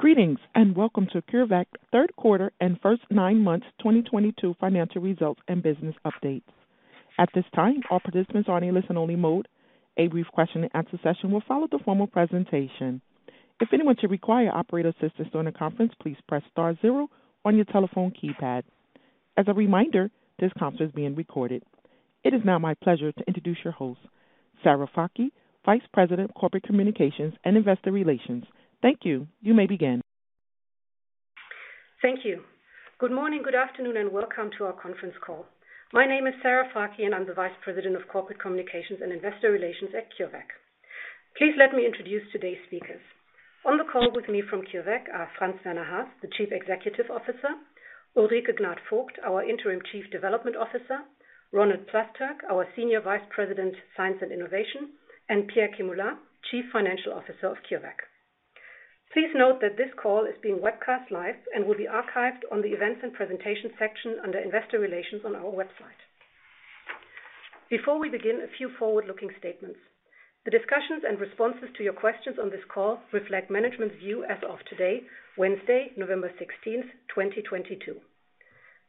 Greetings, and welcome to CureVac third quarter and first nine months 2022 financial results and business updates. At this time, all participants are in a listen only mode. A brief question and answer session will follow the formal presentation. If anyone should require operator assistance during the conference, please press star zero on your telephone keypad. As a reminder, this conference is being recorded. It is now my pleasure to introduce your host, Sarah Fakih, Vice President, Corporate Communications and Investor Relations. Thank you. You may begin. Thank you. Good morning, good afternoon, and welcome to our conference call. My name is Sarah Fakih, and I'm the Vice President of Corporate Communications and Investor Relations at CureVac. Please let me introduce today's speakers. On the call with me from CureVac are Franz-Werner Haas, the Chief Executive Officer, Ulrike Gnad-Vogt, our Interim Chief Development Officer, Ronald Plasterk, our Senior Vice President, Science and Innovation, and Pierre Kemula, Chief Financial Officer of CureVac. Please note that this call is being webcast live and will be archived on the Events and Presentation section under Investor Relations on our website. Before we begin, a few forward-looking statements. The discussions and responses to your questions on this call reflect management's view as of today, Wednesday, November 16th, 2022.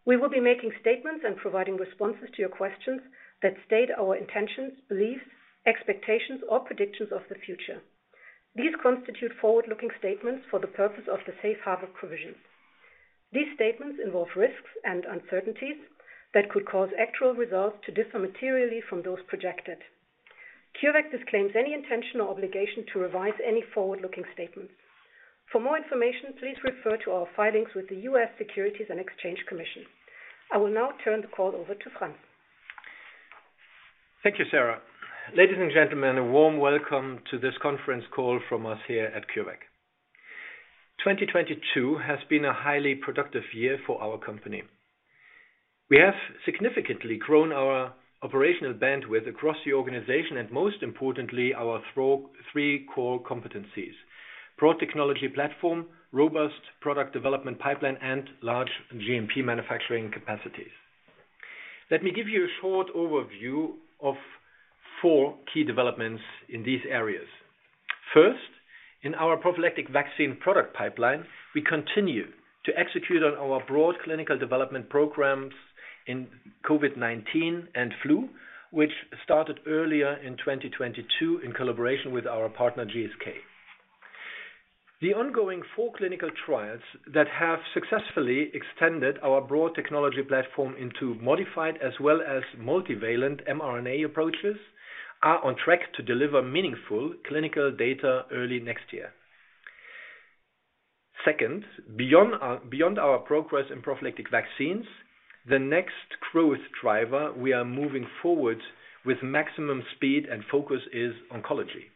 We will be making statements and providing responses to your questions that state our intentions, beliefs, expectations, or predictions of the future. These constitute forward-looking statements for the purpose of the safe harbor provision. These statements involve risks and uncertainties that could cause actual results to differ materially from those projected. CureVac disclaims any intention or obligation to revise any forward-looking statements. For more information, please refer to our filings with the U.S. Securities and Exchange Commission. I will now turn the call over to Franz. Thank you, Sarah. Ladies and gentlemen, a warm welcome to this conference call from us here at CureVac. 2022 has been a highly productive year for our company. We have significantly grown our operational bandwidth across the organization and most importantly, our three core competencies, broad technology platform, robust product development pipeline, and large GMP manufacturing capacities. Let me give you a short overview of four key developments in these areas. First, in our prophylactic vaccine product pipeline, we continue to execute on our broad clinical development programs in COVID-19 and flu, which started earlier in 2022 in collaboration with our partner, GSK. The ongoing four clinical trials that have successfully extended our broad technology platform into modified as well as multivalent mRNA approaches are on track to deliver meaningful clinical data early next year. Second, beyond our progress in prophylactic vaccines, the next growth driver we are moving forward with maximum speed and focus is oncology.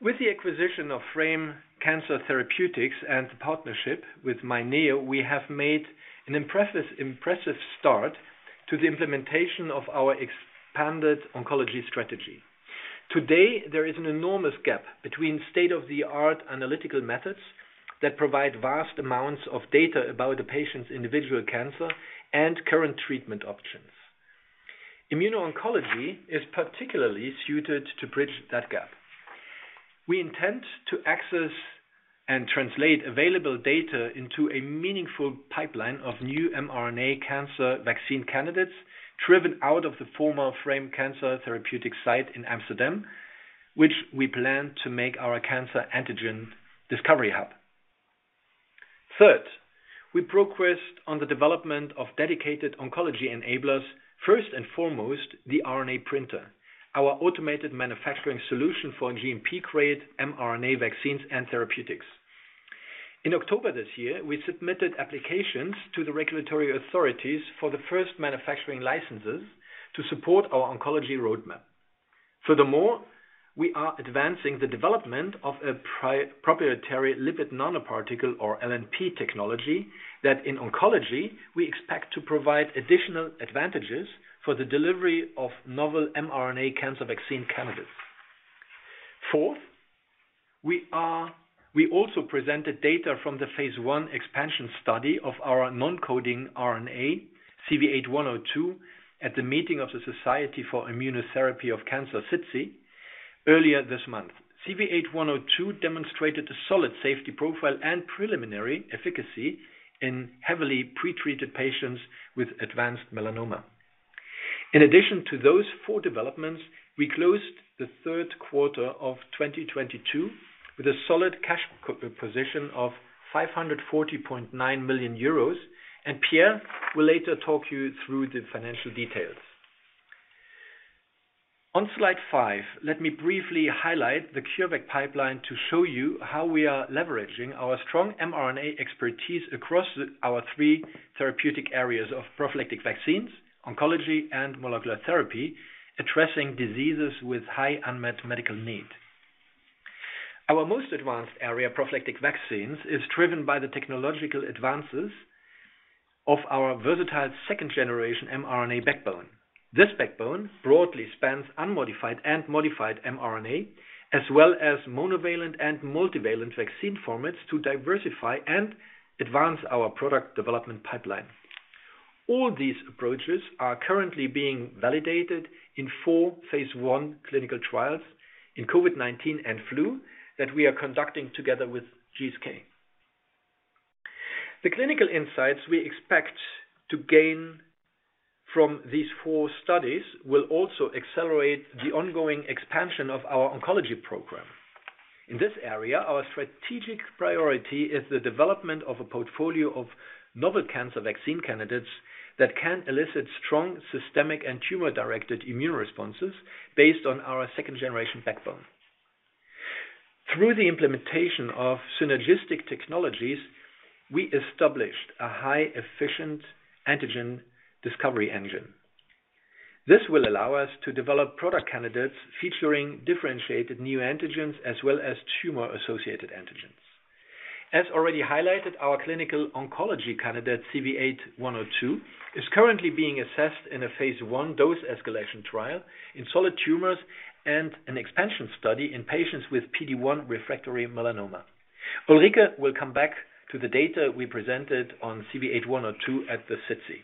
With the acquisition of Frame Cancer Therapeutics and the partnership with myNEO, we have made an impressive start to the implementation of our expanded oncology strategy. Today, there is an enormous gap between state-of-the-art analytical methods that provide vast amounts of data about the patient's individual cancer and current treatment options. Immuno-oncology is particularly suited to bridge that gap. We intend to access and translate available data into a meaningful pipeline of new mRNA cancer vaccine candidates driven out of the former Frame Cancer Therapeutics site in Amsterdam, which we plan to make our cancer antigen discovery hub. Third, we progressed on the development of dedicated oncology enablers, first and foremost, the RNA Printer, our automated manufacturing solution for GMP-grade mRNA vaccines and therapeutics. In October this year, we submitted applications to the regulatory authorities for the first manufacturing licenses to support our oncology roadmap. Furthermore, we are advancing the development of a proprietary lipid nanoparticle or LNP technology that in oncology we expect to provide additional advantages for the delivery of novel mRNA cancer vaccine candidates. Fourth, we also presented data from the phase I expansion study of our non-coding RNA CV8102 at the meeting of the Society for Immunotherapy of Cancer, SITC, earlier this month. CV8102 demonstrated a solid safety profile and preliminary efficacy in heavily pretreated patients with advanced melanoma. In addition to those four developments, we closed the third quarter of 2022 with a solid cash position of 540.9 million euros, and Pierre will later talk you through the financial details. On slide five, let me briefly highlight the CureVac pipeline to show you how we are leveraging our strong mRNA expertise across our three therapeutic areas of prophylactic vaccines, oncology, and molecular therapy, addressing diseases with high unmet medical need. Our most advanced area, prophylactic vaccines, is driven by the technological advances of our versatile second generation mRNA backbone. This backbone broadly spans unmodified and modified mRNA, as well as monovalent and multivalent vaccine formats to diversify and advance our product development pipeline. All these approaches are currently being validated in four phase I clinical trials in COVID-19 and flu that we are conducting together with GSK. The clinical insights we expect to gain from these four studies will also accelerate the ongoing expansion of our oncology program. In this area, our strategic priority is the development of a portfolio of novel cancer vaccine candidates that can elicit strong, systemic, and tumor-directed immune responses based on our second generation backbone. Through the implementation of synergistic technologies, we established a highly efficient antigen discovery engine. This will allow us to develop product candidates featuring differentiated new antigens as well as tumor-associated antigens. As already highlighted, our clinical oncology candidate, CV8102, is currently being assessed in a phase I dose escalation trial in solid tumors and an expansion study in patients with PD-1 refractory melanoma. Ulrike will come back to the data we presented on CV8102 at the SITC.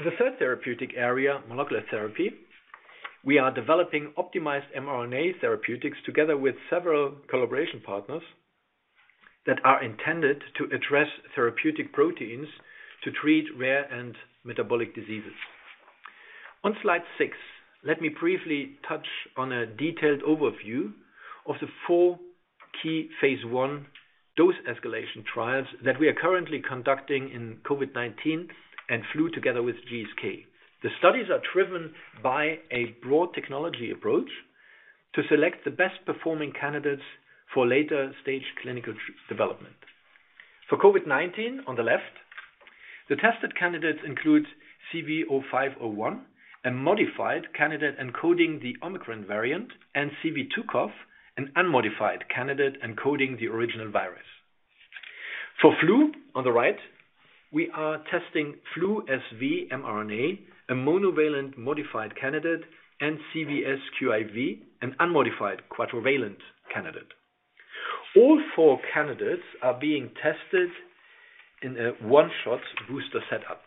In the third therapeutic area, molecular therapy, we are developing optimized mRNA therapeutics together with several collaboration partners that are intended to address therapeutic proteins to treat rare and metabolic diseases. On slide six, let me briefly touch on a detailed overview of the four key phase I dose escalation trials that we are currently conducting in COVID-19 and flu together with GSK. The studies are driven by a broad technology approach to select the best performing candidates for later-stage clinical development. For COVID-19 on the left, the tested candidates include CV0501, a modified candidate encoding the Omicron variant, and CV2CoV, an unmodified candidate encoding the original virus. For flu on the right, we are testing Flu-SV-mRNA, a monovalent modified candidate, and CVSQIV, an unmodified quadrivalent candidate. All four candidates are being tested in a one-shot booster setup.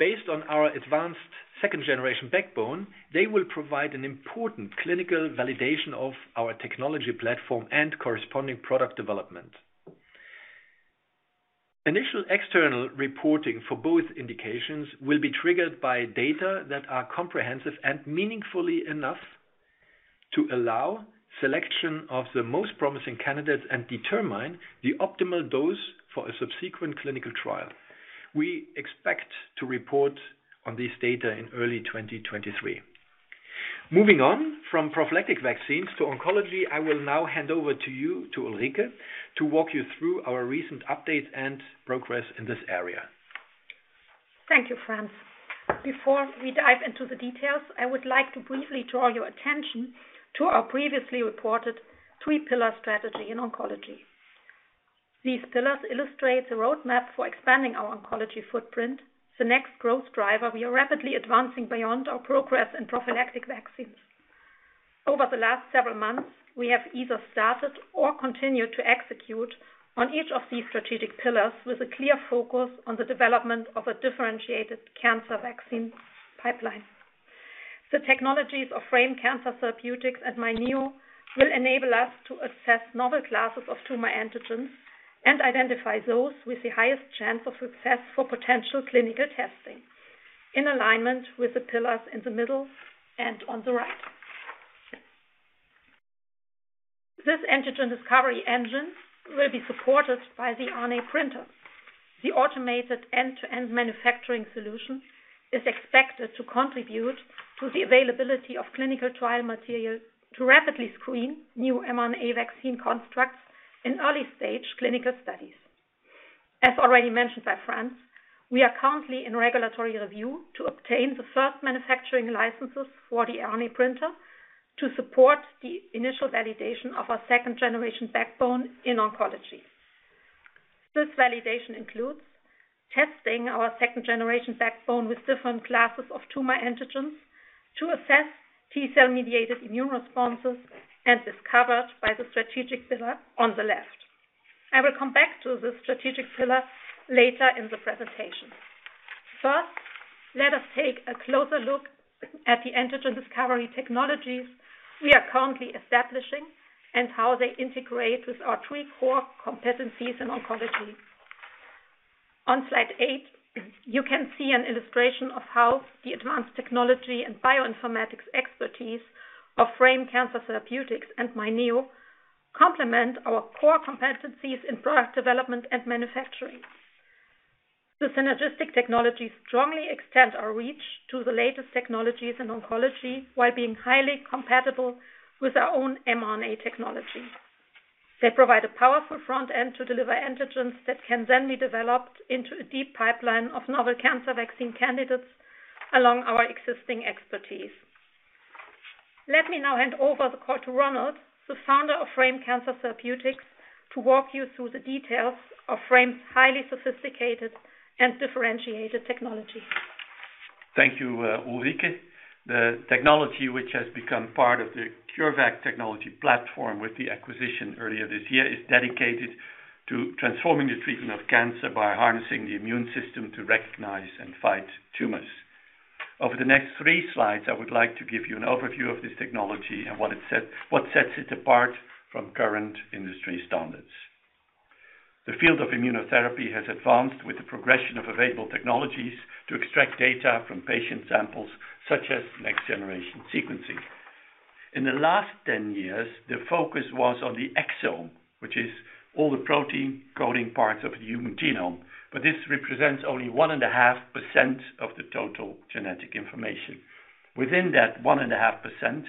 Based on our advanced second-generation backbone, they will provide an important clinical validation of our technology platform and corresponding product development. Initial external reporting for both indications will be triggered by data that are comprehensive and meaningfully enough to allow selection of the most promising candidates and determine the optimal dose for a subsequent clinical trial. We expect to report on this data in early 2023. Moving on from prophylactic vaccines to oncology, I will now hand over to you, to Ulrike, to walk you through our recent updates and progress in this area. Thank you, Franz. Before we dive into the details, I would like to briefly draw your attention to our previously reported three pillar strategy in oncology. These pillars illustrate the roadmap for expanding our oncology footprint. The next growth driver, we are rapidly advancing beyond our progress in prophylactic vaccines. Over the last several months, we have either started or continued to execute on each of these strategic pillars with a clear focus on the development of a differentiated cancer vaccine pipeline. The technologies of Frame Cancer Therapeutics and myNEO will enable us to assess novel classes of tumor antigens and identify those with the highest chance of success for potential clinical testing, in alignment with the pillars in the middle and on the right. This antigen discovery engine will be supported by the RNA Printer. The automated end-to-end manufacturing solution is expected to contribute to the availability of clinical trial material to rapidly screen new mRNA vaccine constructs in early stage clinical studies. As already mentioned by Franz, we are currently in regulatory review to obtain the first manufacturing licenses for the RNA Printer to support the initial validation of our second generation backbone in oncology. This validation includes testing our second generation backbone with different classes of tumor antigens to assess T-cell mediated immune responses as discovered by the strategic pillar on the left. I will come back to this strategic pillar later in the presentation. First, let us take a closer look at the antigen discovery technologies we are currently establishing and how they integrate with our three core competencies in oncology. On slide eight, you can see an illustration of how the advanced technology and bioinformatics expertise of Frame Cancer Therapeutics and myNEO complement our core competencies in product development and manufacturing. The synergistic technologies strongly extend our reach to the latest technologies in oncology while being highly compatible with our own mRNA technology. They provide a powerful front end to deliver antigens that can then be developed into a deep pipeline of novel cancer vaccine candidates along our existing expertise. Let me now hand over the call to Ronald, the founder of Frame Cancer Therapeutics, to walk you through the details of Frame's highly sophisticated and differentiated technology. Thank you, Ulrike. The technology which has become part of the CureVac technology platform with the acquisition earlier this year is dedicated to transforming the treatment of cancer by harnessing the immune system to recognize and fight tumors. Over the next three slides, I would like to give you an overview of this technology and what sets it apart from current industry standards. The field of immunotherapy has advanced with the progression of available technologies to extract data from patient samples such as next-generation sequencing. In the last 10 years, the focus was on the exome, which is all the protein coding parts of the human genome. This represents only 1.5% of the total genetic information. Within that 1.5%,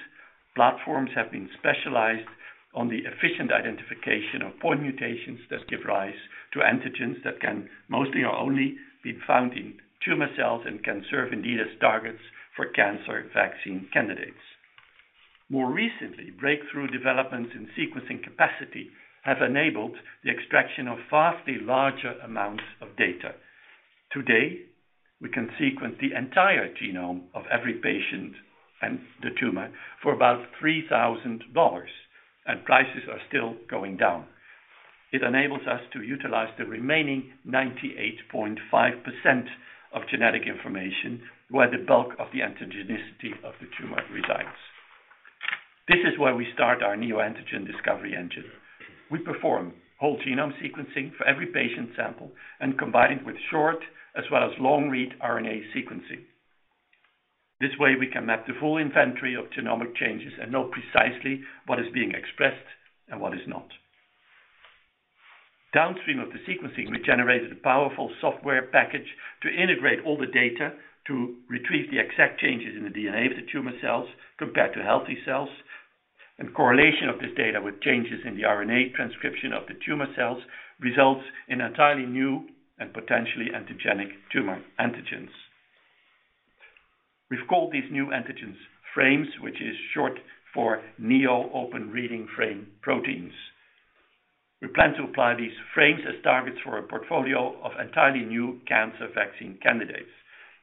platforms have been specialized on the efficient identification of point mutations that give rise to antigens that can mostly or only be found in tumor cells and can serve indeed as targets for cancer vaccine candidates. More recently, breakthrough developments in sequencing capacity have enabled the extraction of vastly larger amounts of data. Today, we can sequence the entire genome of every patient and the tumor for about EUR 3,000, and prices are still going down. It enables us to utilize the remaining 98.5% of genetic information where the bulk of the antigenicity of the tumor resides. This is where we start our neoantigen discovery engine. We perform whole genome sequencing for every patient sample and combine it with short as well as long-read RNA sequencing. This way, we can map the full inventory of genomic changes and know precisely what is being expressed and what is not. Downstream of the sequencing, we generated a powerful software package to integrate all the data to retrieve the exact changes in the DNA of the tumor cells compared to healthy cells. Correlation of this data with changes in the RNA transcription of the tumor cells results in entirely new and potentially antigenic tumor antigens. We've called these new antigens frames, which is short for neo open reading frame peptides. We plan to apply these frames as targets for a portfolio of entirely new cancer vaccine candidates.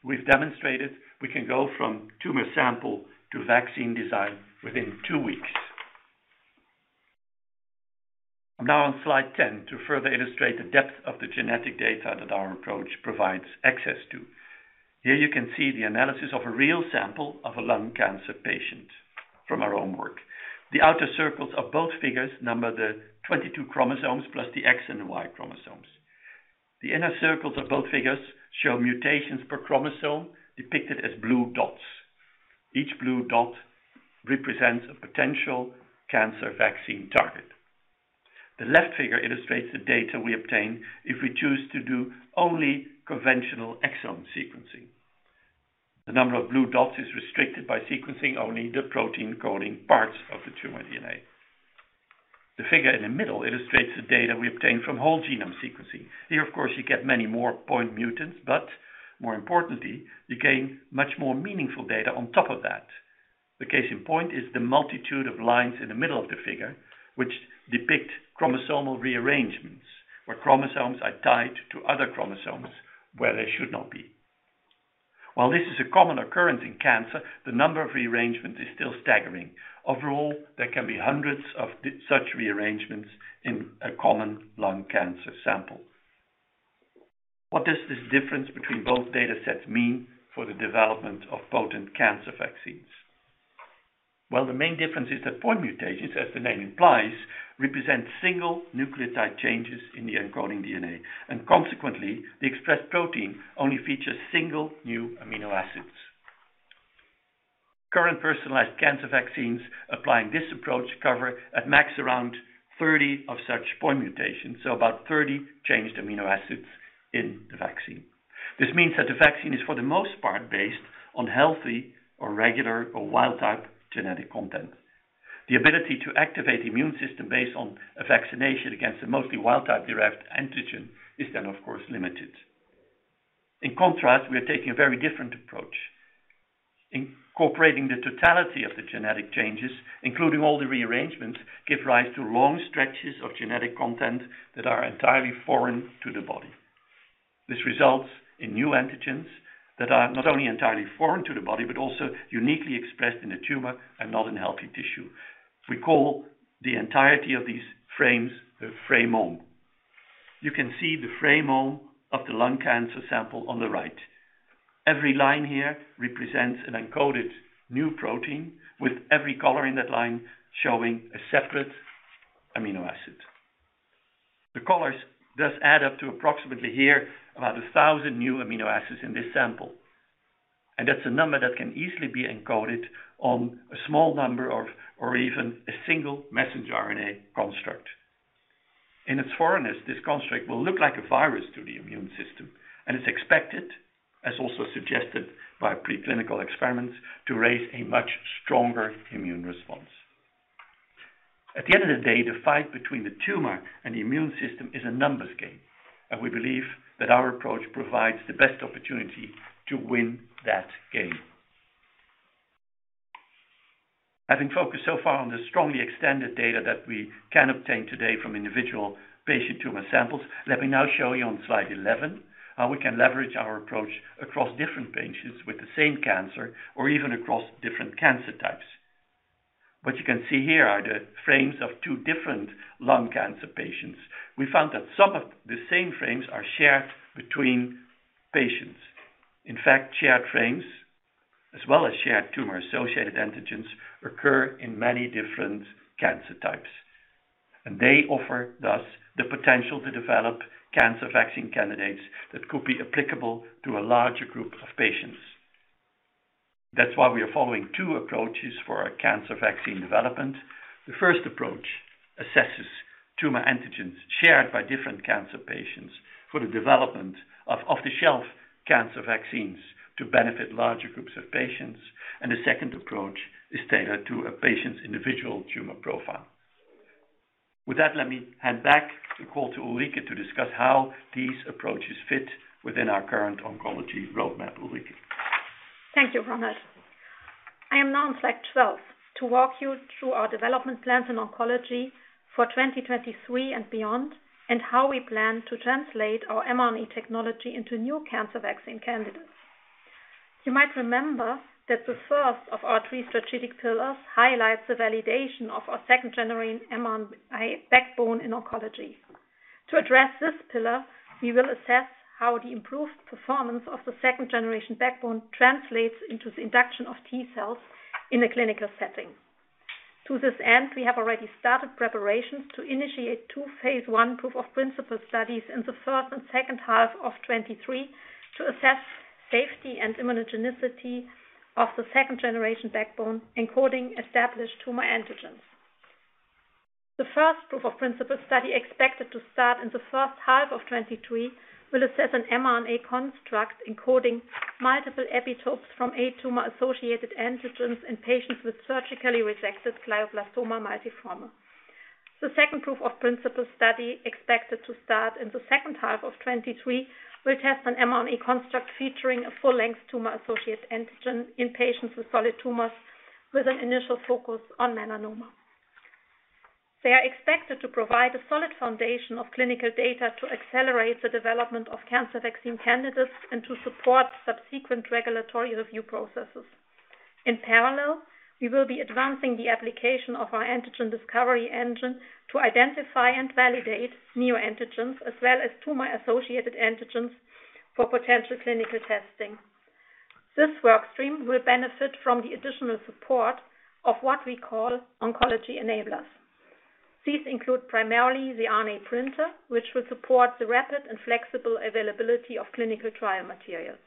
We've demonstrated we can go from tumor sample to vaccine design within two weeks. I'm now on slide 10 to further illustrate the depth of the genetic data that our approach provides access to. Here you can see the analysis of a real sample of a lung cancer patient from our own work. The outer circles of both figures number the 22 chromosomes plus the X and Y chromosomes. The inner circles of both figures show mutations per chromosome depicted as blue dots. Each blue dot represents a potential cancer vaccine target. The left figure illustrates the data we obtain if we choose to do only conventional exome sequencing. The number of blue dots is restricted by sequencing only the protein coding parts of the tumor DNA. The figure in the middle illustrates the data we obtain from whole genome sequencing. Here, of course, you get many more point mutants, but more importantly, you gain much more meaningful data on top of that. The case in point is the multitude of lines in the middle of the figure, which depict chromosomal rearrangements where chromosomes are tied to other chromosomes where they should not be. While this is a common occurrence in cancer, the number of rearrangement is still staggering. Overall, there can be hundreds of such rearrangements in a common lung cancer sample. What does this difference between both data sets mean for the development of potent cancer vaccines? Well, the main difference is that point mutations, as the name implies, represent single nucleotide changes in the encoding DNA. Consequently, the expressed protein only features single new amino acids. Current personalized cancer vaccines applying this approach cover at max around 30 of such point mutations, so about 30 changed amino acids in the vaccine. This means that the vaccine is for the most part based on healthy or regular or wild type genetic content. The ability to activate the immune system based on a vaccination against a mostly wild type-derived antigen is then of course limited. In contrast, we are taking a very different approach. Incorporating the totality of the genetic changes, including all the rearrangements give rise to long stretches of genetic content that are entirely foreign to the body. This results in new antigens that are not only entirely foreign to the body but also uniquely expressed in a tumor and not in healthy tissue. We call the entirety of these frames the framome. You can see the framome of the lung cancer sample on the right. Every line here represents an encoded new protein with every color in that line showing a separate amino acid. The colors does add up to approximately 1,000 new amino acids in this sample. That's a number that can easily be encoded on a small number of or even a single messenger RNA construct. In its foreignness, this construct will look like a virus to the immune system and is expected, as also suggested by preclinical experiments, to raise a much stronger immune response. At the end of the day, the fight between the tumor and the immune system is a numbers game, and we believe that our approach provides the best opportunity to win that game. Having focused so far on the strongly extended data that we can obtain today from individual patient tumor samples, let me now show you on slide 11 how we can leverage our approach across different patients with the same cancer or even across different cancer types. What you can see here are the frames of two different lung cancer patients. We found that some of the same frames are shared between patients. In fact, shared frames as well as shared tumor-associated antigens occur in many different cancer types, and they offer thus the potential to develop cancer vaccine candidates that could be applicable to a larger group of patients. That's why we are following two approaches for our cancer vaccine development. The first approach assesses tumor antigens shared by different cancer patients for the development of off-the-shelf cancer vaccines to benefit larger groups of patients, and the second approach is tailored to a patient's individual tumor profile. With that, let me hand back the call to Ulrike to discuss how these approaches fit within our current oncology roadmap. Ulrike? Thank you, Ronald. I am now on slide 12 to walk you through our development plans in oncology for 2023 and beyond, and how we plan to translate our mRNA technology into new cancer vaccine candidates. You might remember that the first of our three strategic pillars highlights the validation of our second-generation mRNA backbone in oncology. To address this pillar, we will assess how the improved performance of the second generation backbone translates into the induction of T-cells in a clinical setting. To this end, we have already started preparations to initiate two phase I proof of principle studies in the first and second half of 2023 to assess safety and immunogenicity of the second generation backbone, encoding established tumor antigens. The first proof of principle study, expected to start in the first half of 2023, will assess an mRNA construct encoding multiple epitopes from eight tumor-associated antigens in patients with surgically resected glioblastoma multiforme. The second proof of principle study, expected to start in the second half of 2023, will test an mRNA construct featuring a full-length tumor-associated antigen in patients with solid tumors, with an initial focus on melanoma. They are expected to provide a solid foundation of clinical data to accelerate the development of cancer vaccine candidates and to support subsequent regulatory review processes. In parallel, we will be advancing the application of our antigen discovery engine to identify and validate neoantigens as well as tumor-associated antigens for potential clinical testing. This work stream will benefit from the additional support of what we call oncology enablers. These include primarily the RNA Printer, which will support the rapid and flexible availability of clinical trial materials.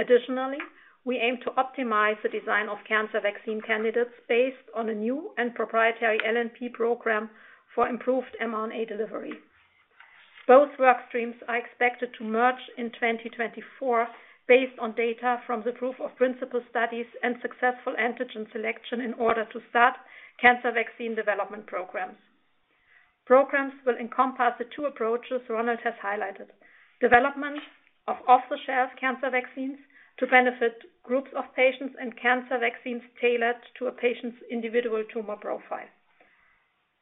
Additionally, we aim to optimize the design of cancer vaccine candidates based on a new and proprietary LNP program for improved mRNA delivery. Both work streams are expected to merge in 2024 based on data from the proof of principle studies and successful antigen selection in order to start cancer vaccine development programs. Programs will encompass the two approaches Ronald has highlighted. Development of off-the-shelf cancer vaccines to benefit groups of patients and cancer vaccines tailored to a patient's individual tumor profile.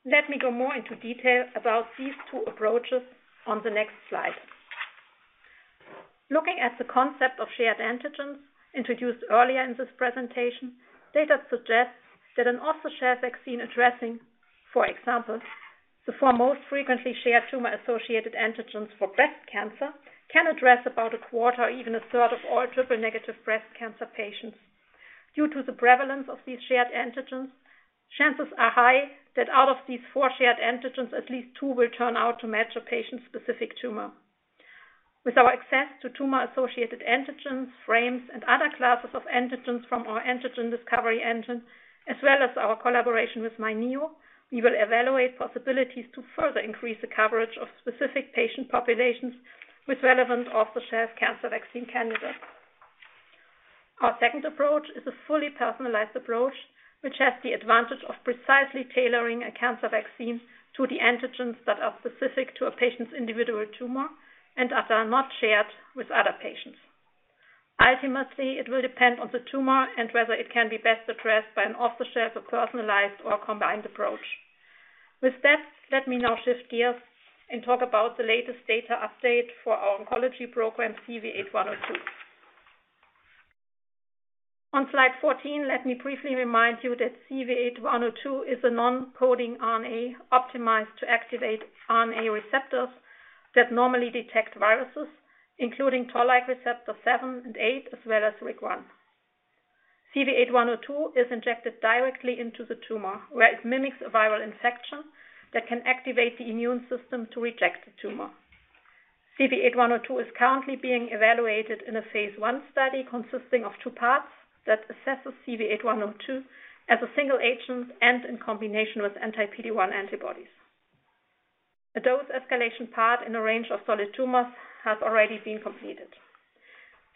Let me go more into detail about these two approaches on the next slide. Looking at the concept of shared antigens introduced earlier in this presentation, data suggests that an off-the-shelf vaccine addressing, for example, the four most frequently shared tumor-associated antigens for breast cancer, can address about 1/4 or even 1/3 of all triple-negative breast cancer patients. Due to the prevalence of these shared antigens, chances are high that out of these four shared antigens, at least two will turn out to match a patient's specific tumor. With our access to tumor-associated antigens, frames, and other classes of antigens from our antigen discovery engine, as well as our collaboration with myNEO, we will evaluate possibilities to further increase the coverage of specific patient populations with relevant off-the-shelf cancer vaccine candidates. Our second approach is a fully personalized approach, which has the advantage of precisely tailoring a cancer vaccine to the antigens that are specific to a patient's individual tumor and that are not shared with other patients. Ultimately, it will depend on the tumor and whether it can be best addressed by an off-the-shelf or personalized or combined approach. With that, let me now shift gears and talk about the latest data update for our oncology program, CV8102. On slide 14, let me briefly remind you that CV8102 is a non-coding RNA optimized to activate RNA receptors that normally detect viruses, including Toll-like receptor 7 and 8 as well as RIG-I. CV8102 is injected directly into the tumor, where it mimics a viral infection that can activate the immune system to reject the tumor. CV8102 is currently being evaluated in a phase I study consisting of two parts that assesses CV8102 as a single agent and in combination with anti-PD-1 antibodies. A dose escalation part in a range of solid tumors has already been completed.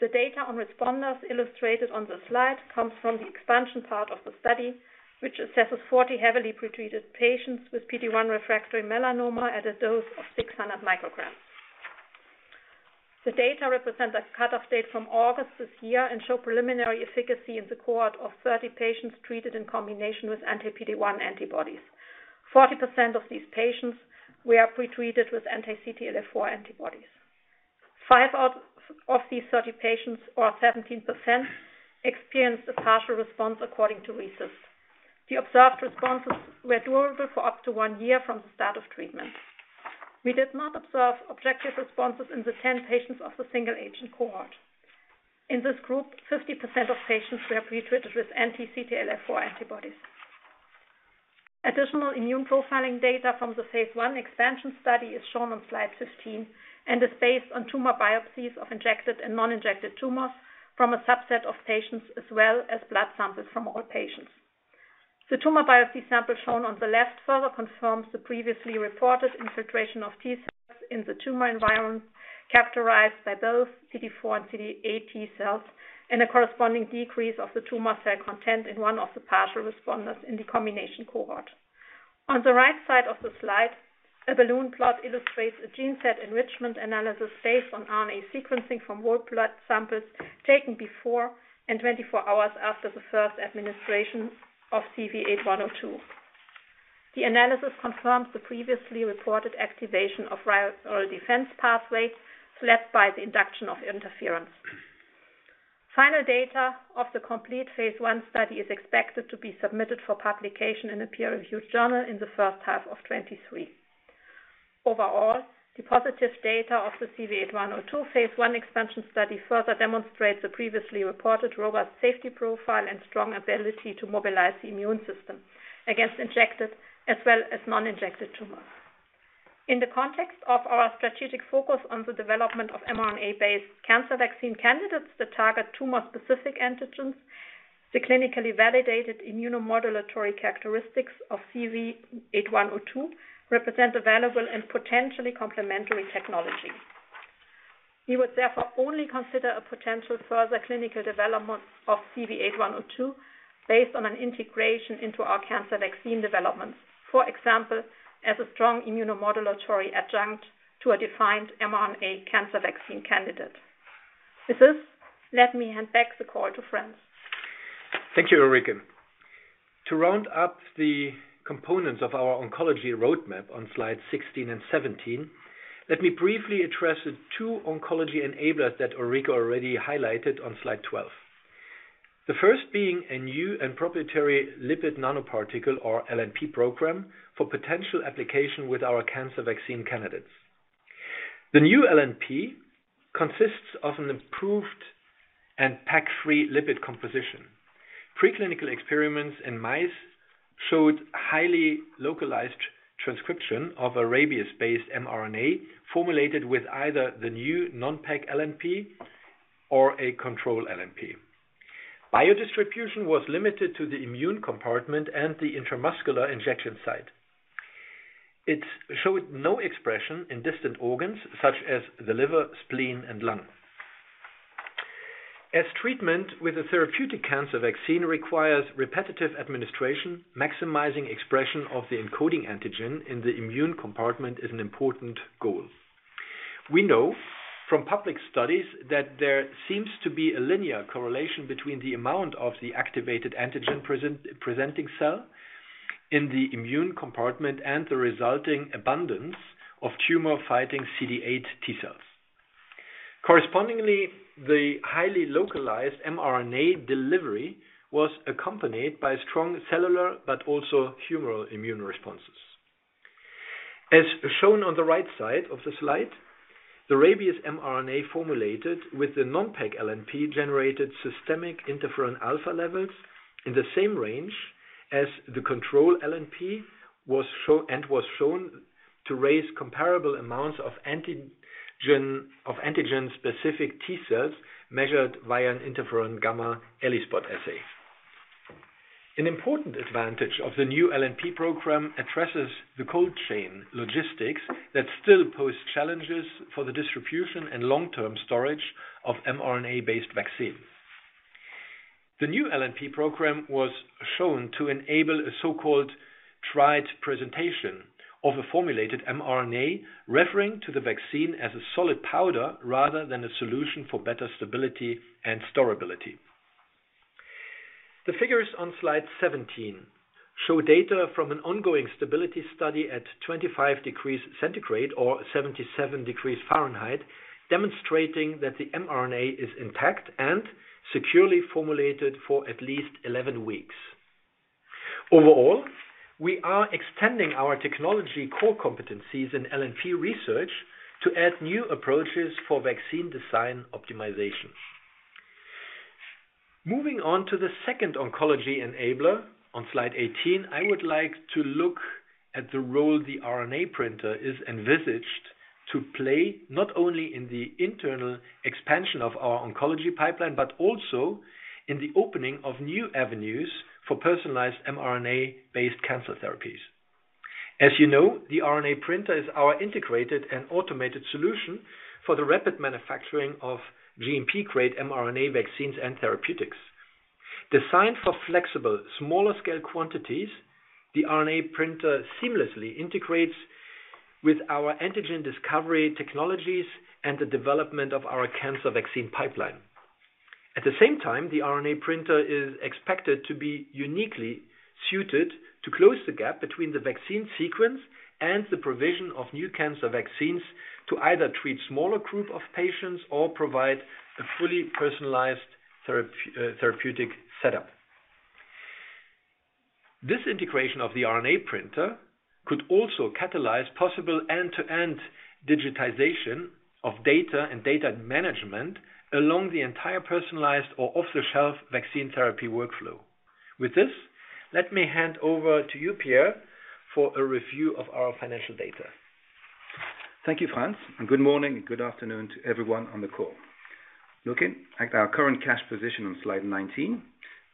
The data on responders illustrated on the slide comes from the expansion part of the study, which assesses 40 heavily pretreated patients with PD-1 refractory melanoma at a dose of 600 micrograms. The data represents a cut-off date from August this year and show preliminary efficacy in the cohort of 30 patients treated in combination with anti-PD-1 antibodies. 40% of these patients were pre-treated with anti-CTLA-4 antibodies. Five out of these 30 patients, or 17%, experienced a partial response according to RECIST. The observed responses were durable for up to one year from the start of treatment. We did not observe objective responses in the 10 patients of the single agent cohort. In this group, 50% of patients were pre-treated with anti-CTLA-4 antibodies. Additional immune profiling data from the phase I expansion study is shown on slide 15 and is based on tumor biopsies of injected and non-injected tumors from a subset of patients, as well as blood samples from all patients. The tumor biopsy sample shown on the left further confirms the previously reported infiltration of T-cells in the tumor environment, characterized by both CD4 and CD8 T-cells, and a corresponding decrease of the tumor cell content in one of the partial responders in the combination cohort. On the right side of the slide, a balloon plot illustrates a gene set enrichment analysis based on RNA sequencing from whole blood samples taken before and 24 hours after the first administration of CV8102. The analysis confirms the previously reported activation of viral defense pathway, elicited by the induction of interferon. Final data of the complete phase I study is expected to be submitted for publication in a peer-reviewed journal in the first half of 2023. Overall, the positive data of the CV8102 phase I expansion study further demonstrates the previously reported robust safety profile and strong ability to mobilize the immune system against injected as well as non-injected tumors. In the context of our strategic focus on the development of mRNA-based cancer vaccine candidates that target tumor-specific antigens, the clinically validated immunomodulatory characteristics of CV8102 represent a valuable and potentially complementary technology. We would therefore only consider a potential further clinical development of CV8102 based on an integration into our cancer vaccine development, for example, as a strong immunomodulatory adjunct to a defined mRNA cancer vaccine candidate. With this, let me hand back the call to Franz. Thank you, Ulrike. To round up the components of our oncology roadmap on slide 16 and 17, let me briefly address the two oncology enablers that Ulrike already highlighted on slide 12. The first being a new and proprietary lipid nanoparticle or LNP program for potential application with our cancer vaccine candidates. The new LNP consists of an improved and PEG-free lipid composition. Preclinical experiments in mice showed highly localized transcription of a rabies-based mRNA formulated with either the new non-PEG LNP or a control LNP. Biodistribution was limited to the immune compartment and the intramuscular injection site. It showed no expression in distant organs such as the liver, spleen, and lung. As treatment with a therapeutic cancer vaccine requires repetitive administration, maximizing expression of the encoding antigen in the immune compartment is an important goal. We know from public studies that there seems to be a linear correlation between the amount of the activated antigen presenting cell in the immune compartment and the resulting abundance of tumor-fighting CD8 T-cells. Correspondingly, the highly localized mRNA delivery was accompanied by strong cellular but also humoral immune responses. As shown on the right side of the slide, the rabies mRNA formulated with the non-PEG LNP generated systemic interferon alpha levels in the same range as the control LNP and was shown to raise comparable amounts of antigen-specific T-cells measured via an interferon gamma ELISpot assay. An important advantage of the new LNP program addresses the cold chain logistics that still pose challenges for the distribution and long-term storage of mRNA-based vaccines. The new LNP program was shown to enable a so-called dried presentation of a formulated mRNA, referring to the vaccine as a solid powder rather than a solution for better stability and storability. The figures on slide 17 show data from an ongoing stability study at 25 degrees centigrade or 77 degrees Fahrenheit, demonstrating that the mRNA is intact and securely formulated for at least 11 weeks. Overall, we are extending our technology core competencies in LNP research to add new approaches for vaccine design optimization. Moving on to the second oncology enabler on slide 18, I would like to look at the role the RNA Printer is envisaged to play, not only in the internal expansion of our oncology pipeline, but also in the opening of new avenues for personalized mRNA-based cancer therapies. As you know, the RNA Printer is our integrated and automated solution for the rapid manufacturing of GMP-grade mRNA vaccines and therapeutics. Designed for flexible, smaller scale quantities, the RNA Printer seamlessly integrates with our antigen discovery technologies and the development of our cancer vaccine pipeline. At the same time, the RNA Printer is expected to be uniquely suited to close the gap between the vaccine sequence and the provision of new cancer vaccines to either treat smaller group of patients or provide a fully personalized therapeutic setup. This integration of the RNA Printer could also catalyze possible end-to-end digitization of data and data management along the entire personalized or off-the-shelf vaccine therapy workflow. With this, let me hand over to you, Pierre, for a review of our financial data. Thank you, Franz, and good morning and good afternoon to everyone on the call. Looking at our current cash position on slide 19,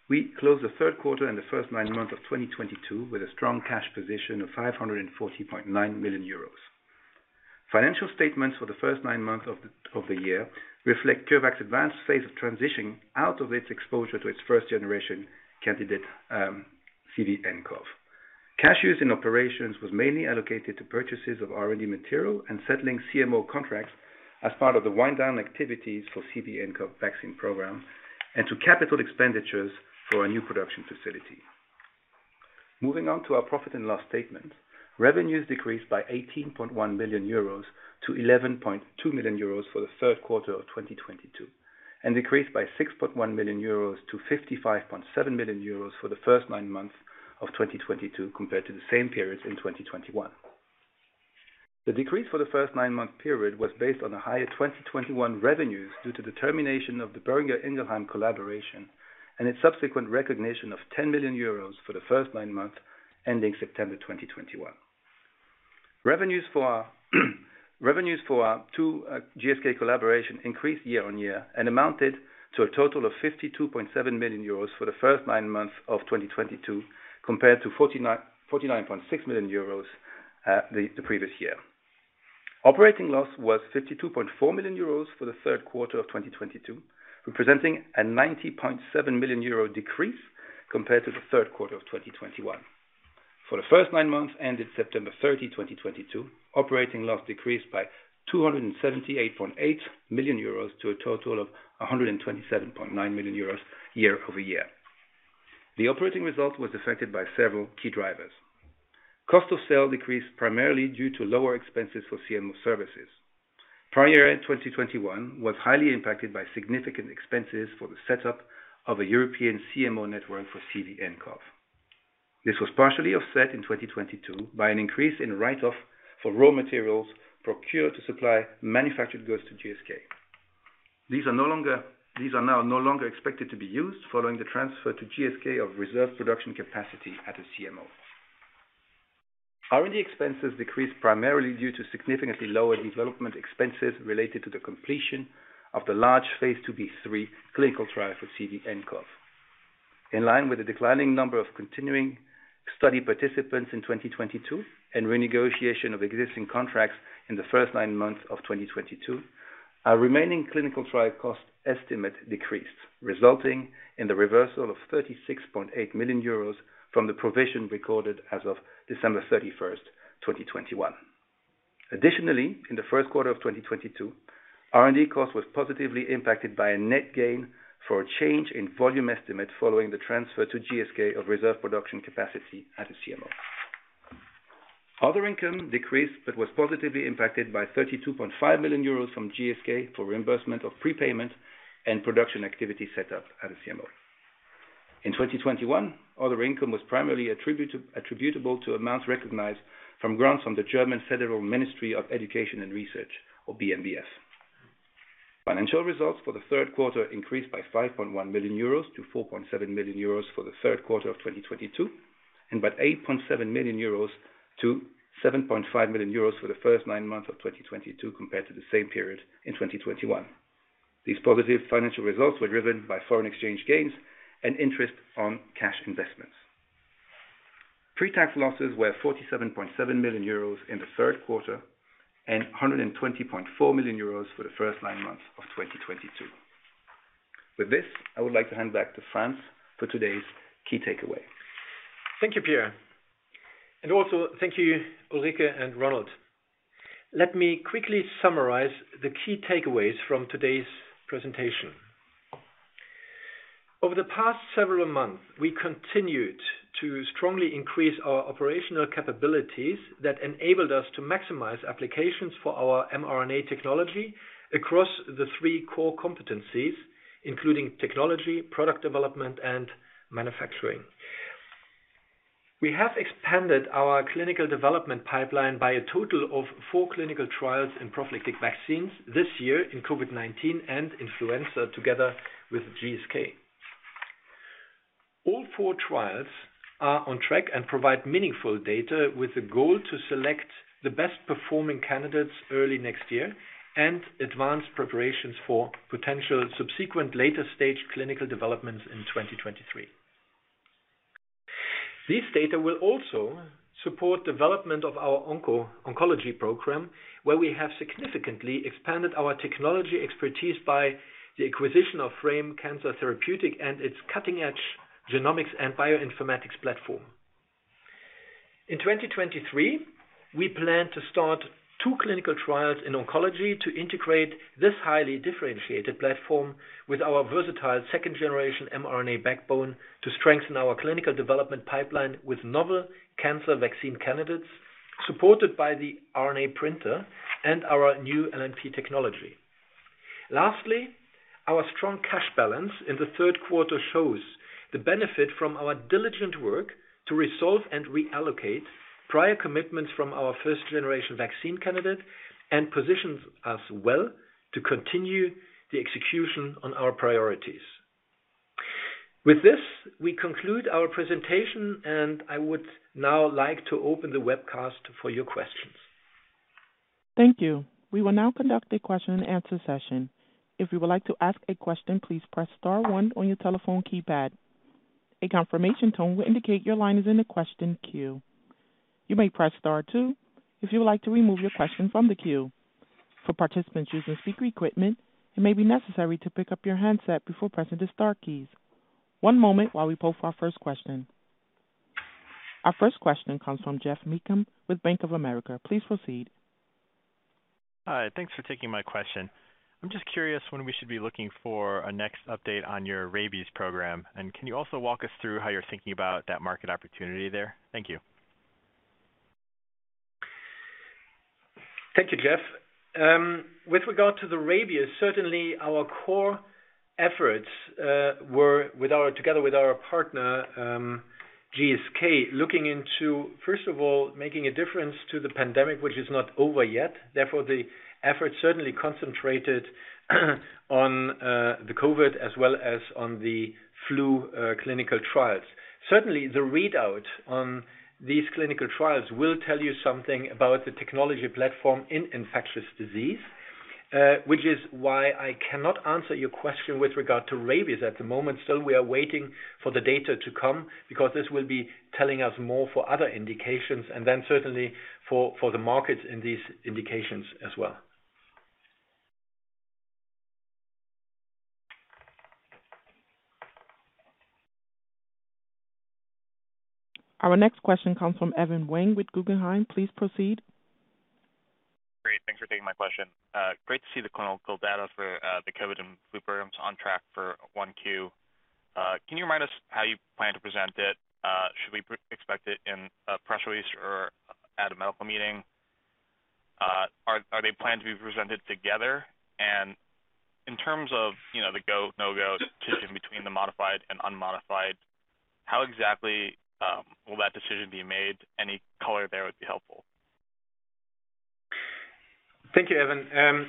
we closed the third quarter and the first nine months of 2022 with a strong cash position of 540.9 million euros. Financial statements for the first nine months of the year reflect CureVac's advanced phase of transitioning out of its exposure to its first generation candidate, CVnCoV. Cash use in operations was mainly allocated to purchases of R&D material and settling CMO contracts as part of the wind down activities for CVnCoV vaccine program and to capital expenditures for our new production facility. Moving on to our profit and loss statement. Revenues decreased by 18.1 million euros to 11.2 million euros for the third quarter of 2022, and decreased by 6.1 million euros to 55.7 million euros for the first nine months of 2022 compared to the same periods in 2021. The decrease for the first nine-month period was based on higher 2021 revenues due to the termination of the Boehringer Ingelheim collaboration and its subsequent recognition of 10 million euros for the first nine months ending September 2021. Revenues for our two GSK collaboration increased year-on-year and amounted to a total of 52.7 million euros for the first nine months of 2022, compared to 49.6 million euros the previous year. Operating loss was 52.4 million euros for the third quarter of 2022, representing a 90.7 million euro decrease compared to the third quarter of 2021. For the first nine months ended September 30, 2022, operating loss decreased by 278.8 million euros to a total of 127.9 million euros year-over-year. The operating result was affected by several key drivers. Cost of sales decreased primarily due to lower expenses for CMO services. Prior year 2021 was highly impacted by significant expenses for the setup of a European CMO network for CVnCoV. This was partially offset in 2022 by an increase in write-off for raw materials procured to supply manufactured goods to GSK. These are no longer. These are now no longer expected to be used following the transfer to GSK of reserve production capacity at a CMO. R&D expenses decreased primarily due to significantly lower development expenses related to the completion of the large phase II-B/III clinical trial for CVnCoV. In line with the declining number of continuing study participants in 2022 and renegotiation of existing contracts in the first nine months of 2022, our remaining clinical trial cost estimate decreased, resulting in the reversal of 36.8 million euros from the provision recorded as of December 31, 2021. Additionally, in the first quarter of 2022, R&D cost was positively impacted by a net gain for a change in volume estimate following the transfer to GSK of reserve production capacity at a CMO. Other income decreased, but was positively impacted by 32.5 million euros from GSK for reimbursement of prepayment and production activity set up at a CMO. In 2021, other income was primarily attributable to amounts recognized from grants from the German Federal Ministry of Education and Research or BMBF. Financial results for the third quarter increased by 5.1 million euros to 4.7 million euros for the third quarter of 2022, and by 8.7 million euros to 7.5 million euros for the first nine months of 2022 compared to the same period in 2021. These positive financial results were driven by foreign exchange gains and interest on cash investments. Pre-tax losses were 47.7 million euros in the third quarter and 120.4 million euros for the first nine months of 2022. With this, I would like to hand back to Franz for today's key takeaway. Thank you, Pierre. Also thank you, Ulrike and Ronald. Let me quickly summarize the key takeaways from today's presentation. Over the past several months, we continued to strongly increase our operational capabilities that enabled us to maximize applications for our mRNA technology across the three core competencies, including technology, product development, and manufacturing. We have expanded our clinical development pipeline by a total of four clinical trials in prophylactic vaccines this year in COVID-19 and influenza together with GSK. All four trials are on track and provide meaningful data with the goal to select the best performing candidates early next year and advance preparations for potential subsequent later stage clinical developments in 2023. These data will also support development of our oncology program, where we have significantly expanded our technology expertise by the acquisition of Frame Cancer Therapeutics and its cutting-edge genomics and bioinformatics platform. In 2023, we plan to start two clinical trials in oncology to integrate this highly differentiated platform with our versatile second-generation mRNA backbone to strengthen our clinical development pipeline with novel cancer vaccine candidates supported by the RNA Printer and our new LNP technology. Lastly, our strong cash balance in the third quarter shows the benefit from our diligent work to resolve and reallocate prior commitments from our first-generation vaccine candidate and positions us well to continue the execution on our priorities. With this, we conclude our presentation, and I would now like to open the webcast for your questions. Thank you. We will now conduct a question and answer session. If you would like to ask a question, please press star one on your telephone keypad. A confirmation tone will indicate your line is in the question queue. You may press star two if you would like to remove your question from the queue. For participants using speaker equipment, it may be necessary to pick up your handset before pressing the star keys. One moment while we poll for our first question. Our first question comes from Geoff Meacham with Bank of America. Please proceed. Hi. Thanks for taking my question. I'm just curious when we should be looking for a next update on your rabies program, and can you also walk us through how you're thinking about that market opportunity there? Thank you. Thank you, Geoff. With regard to the rabies, certainly our core efforts were with our, together with our partner, GSK, looking into, first of all, making a difference to the pandemic, which is not over yet. Therefore, the efforts certainly concentrated on the COVID as well as on the flu clinical trials. Certainly, the readout on these clinical trials will tell you something about the technology platform in infectious disease, which is why I cannot answer your question with regard to rabies at the moment. Still we are waiting for the data to come because this will be telling us more for other indications and then certainly for the markets in these indications as well. Our next question comes from Evan Wang with Guggenheim. Please proceed. Great. Thanks for taking my question. Great to see the clinical data for the COVID and flu programs on track for 1Q. Can you remind us how you plan to present it? Should we expect it in a press release or at a medical meeting? Are they planned to be presented together? In terms of, you know, the go, no-go decision between the modified and unmodified, how exactly will that decision be made? Any color there would be helpful. Thank you, Evan.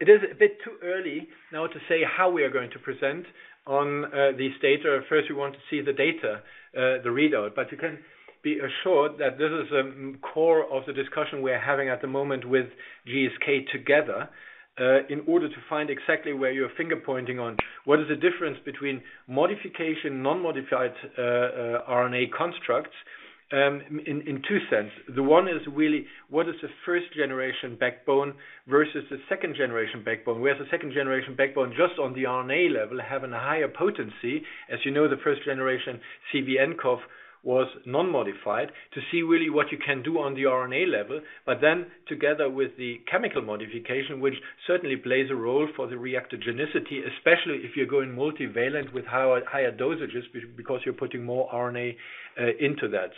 It is a bit too early now to say how we are going to present on these data. First, we want to see the data, the readout, but you can be assured that this is a core of the discussion we are having at the moment with GSK together, in order to find exactly where your finger pointing on what is the difference between modification, non-modified RNA constructs, in two sense. The one is really what is the first generation backbone versus the second generation backbone, where the second generation backbone, just on the RNA level, have a higher potency. As you know, the first generation CVnCoV was non-modified to see really what you can do on the RNA level. Together with the chemical modification, which certainly plays a role for the reactogenicity, especially if you're going multivalent with higher dosages because you're putting more RNA into that.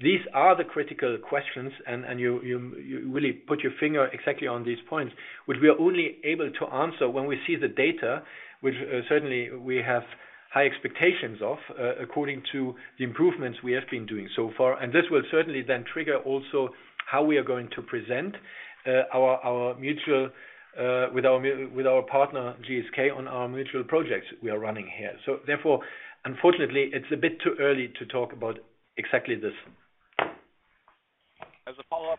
These are the critical questions and you really put your finger exactly on these points, which we are only able to answer when we see the data, which certainly we have high expectations of according to the improvements we have been doing so far. This will certainly then trigger also how we are going to present our mutual with our partner, GSK, on our mutual projects we are running here. Therefore, unfortunately, it's a bit too early to talk about exactly this. As a follow-up,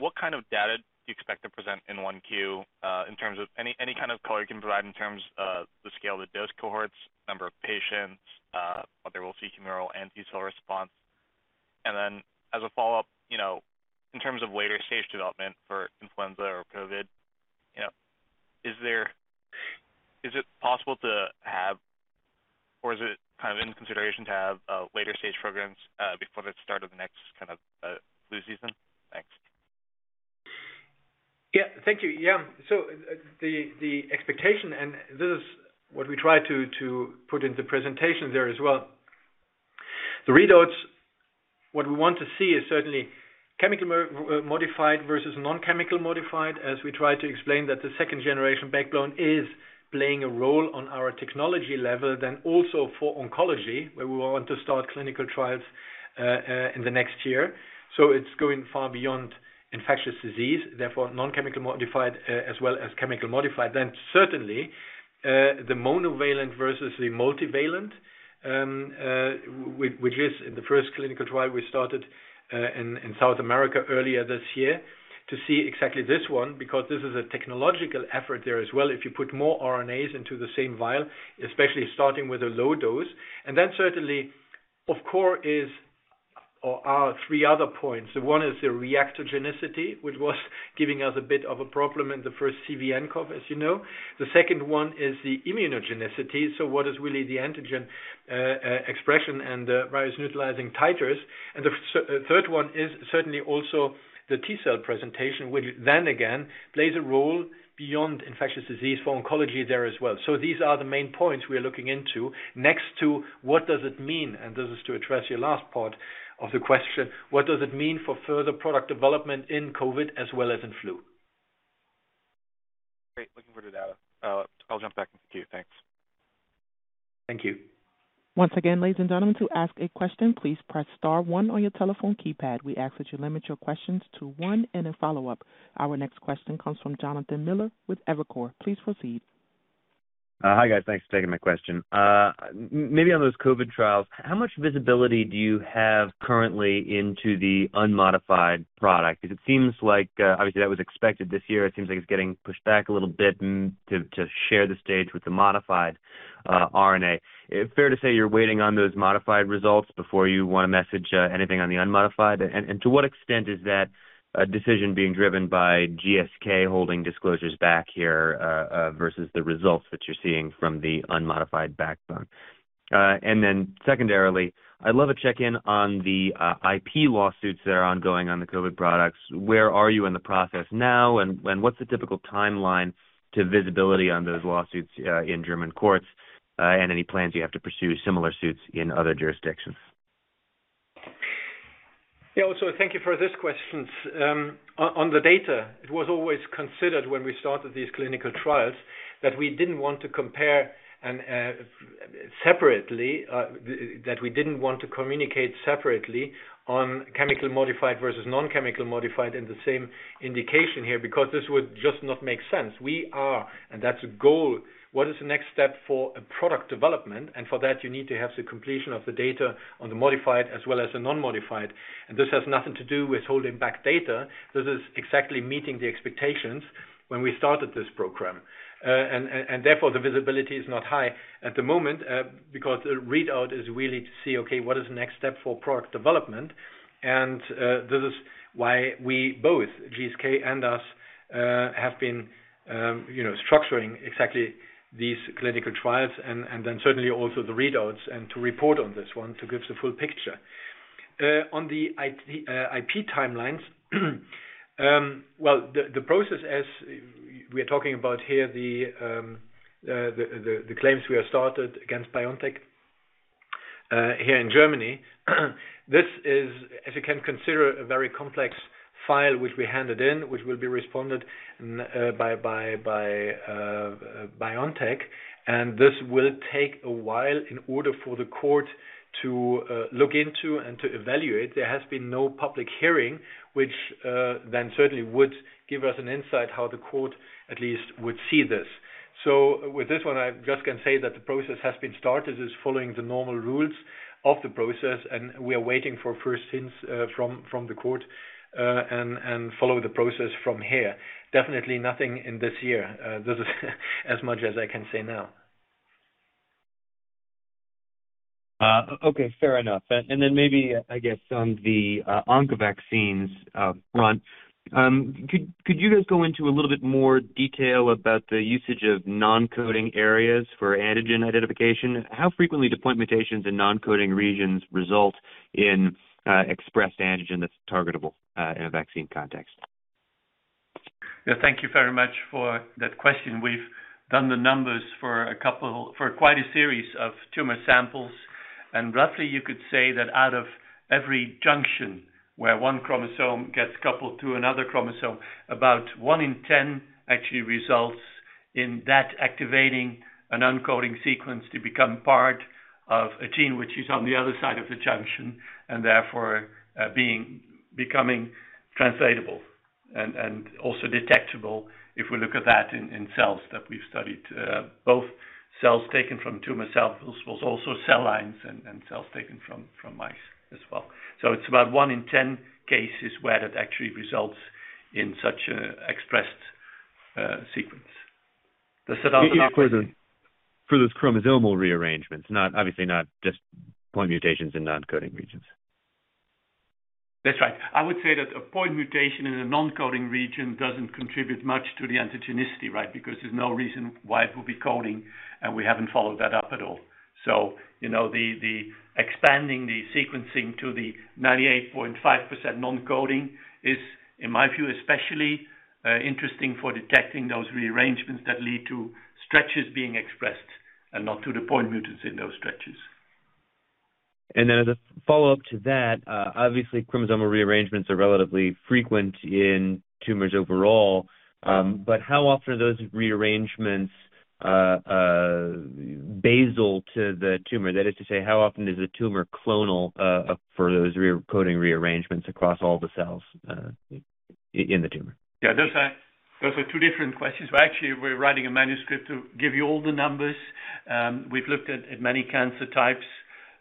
what kind of data do you expect to present in 1Q, in terms of any kind of color you can provide in terms of the scale of the dose cohorts, number of patients, whether we'll see humoral and cellular response? Then as a follow-up, you know, in terms of later stage development for influenza or COVID, you know, is there, is it possible to have or is it kind of in consideration to have, later stage programs, before the start of the next kind of, flu season? Thanks. Yeah, thank you. Yeah. The expectation, and this is what we try to put in the presentation there as well. The readouts, what we want to see is certainly chemically modified versus non-chemically modified, as we try to explain that the second generation backbone is playing a role on our technology level. Also for oncology, where we want to start clinical trials in the next year. It's going far beyond infectious disease, therefore non-chemically modified as well as chemically modified. Certainly, the monovalent versus the multivalent, which is the first clinical trial we started in South America earlier this year, to see exactly this one because this is a technological effort there as well if you put more RNAs into the same vial, especially starting with a low dose. Certainly, of course, there are three other points. One is the reactogenicity, which was giving us a bit of a problem in the first CVnCoV, as you know. The second one is the immunogenicity. So what is really the antigen expression and virus neutralizing titers. The third one is certainly also the T-cell presentation, which then again plays a role beyond infectious disease for oncology there as well. These are the main points we are looking into. Next, what does it mean? This is to address your last part of the question, what does it mean for further product development in COVID as well as in flu? Great. Looking for the data. I'll jump back into queue. Thanks. Thank you. Once again, ladies and gentlemen, to ask a question, please press star one on your telephone keypad. We ask that you limit your questions to one and a follow-up. Our next question comes from Jonathan Miller with Evercore ISI. Please proceed. Hi, guys. Thanks for taking my question. Maybe on those COVID trials, how much visibility do you have currently into the unmodified product? 'Cause it seems like, obviously that was expected this year. It seems like it's getting pushed back a little bit and to share the stage with the modified RNA. Fair to say you're waiting on those modified results before you wanna message anything on the unmodified? And to what extent is that decision being driven by GSK holding disclosures back here versus the results that you're seeing from the unmodified backbone. And then secondarily, I'd love to check in on the IP lawsuits that are ongoing on the COVID products. Where are you in the process now, and what's the typical timeline to visibility on those lawsuits in German courts, and any plans you have to pursue similar suits in other jurisdictions? Yeah. Also, thank you for these questions. On the data, it was always considered when we started these clinical trials that we didn't want to compare and separately, that we didn't want to communicate separately on chemically modified versus non-chemically modified in the same indication here, because this would just not make sense. We are and that's a goal. What is the next step for a product development? For that, you need to have the completion of the data on the modified as well as the non-modified. This has nothing to do with holding back data. This is exactly meeting the expectations when we started this program. Therefore, the visibility is not high at the moment, because the readout is really to see, okay, what is the next step for product development. This is why we, both GSK and us, have been, you know, structuring exactly these clinical trials and then certainly also the readouts and to report on this one to give the full picture. On the IP timelines. The process as we're talking about here, the claims we have started against BioNTech, here in Germany, this is, as you can consider, a very complex file which we handed in, which will be responded by BioNTech. This will take a while in order for the court to look into and to evaluate. There has been no public hearing, which then certainly would give us an insight how the court at least would see this. with this one, I just can say that the process has been started, is following the normal rules of the process, and we are waiting for first hints from the court and follow the process from here. Definitely nothing in this year. This is as much as I can say now. Okay, fair enough. Maybe I guess on the oncovaccines front, could you guys go into a little bit more detail about the usage of non-coding areas for antigen identification? How frequently do point mutations in non-coding regions result in expressed antigen that's targetable in a vaccine context? Yeah, thank you very much for that question. We've done the numbers for quite a series of tumor samples, and roughly you could say that out of every junction where one chromosome gets coupled to another chromosome, about one in ten actually results in that activating a non-coding sequence to become part of a gene which is on the other side of the junction and therefore, becoming translatable and also detectable if we look at that in cells that we've studied, both cells taken from tumors, as well as cell lines and cells taken from mice as well. It's about one in ten cases where that actually results in such an expressed sequence. Does that answer- For those chromosomal rearrangements, not obviously, not just point mutations in non-coding regions. That's right. I would say that a point mutation in a non-coding region doesn't contribute much to the antigenicity, right? Because there's no reason why it would be coding, and we haven't followed that up at all. You know, the expanding the sequencing to the 98.5% non-coding is, in my view, especially interesting for detecting those rearrangements that lead to stretches being expressed and not to the point mutants in those stretches. As a follow-up to that, obviously chromosomal rearrangements are relatively frequent in tumors overall, but how often are those rearrangements basal to the tumor? That is to say, how often is a tumor clonal for those recoding rearrangements across all the cells in the tumor? Yeah. Those are two different questions. We're actually writing a manuscript to give you all the numbers. We've looked at many cancer types